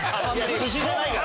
寿司じゃないから。